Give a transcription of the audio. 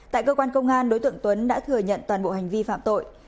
tại cơ quan công an đối tượng tuấn đã thừa nhận toàn bộ hành vi phạm tội